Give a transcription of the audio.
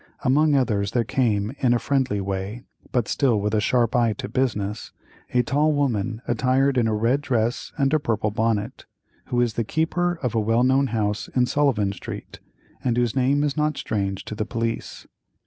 Among others, there came, in a friendly way, but still with a sharp eye to business, a tall woman, attired in a red dress and a purple bonnet, who is the keeper of a well known house in Sullivan street, and whose name is not strange to the police.